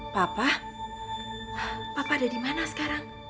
papa papa ada dimana sekarang